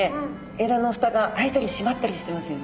えらの蓋が開いたり閉まったりしてますよね。